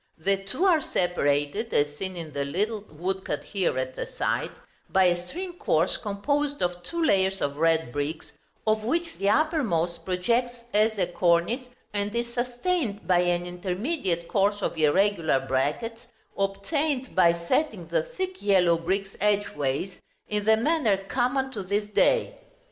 The two are separated, as seen in the little woodcut here at the side, by a string course composed of two layers of red bricks, of which the uppermost projects as a cornice, and is sustained by an intermediate course of irregular brackets, obtained by setting the thick yellow bricks edgeways, in the manner common to this day.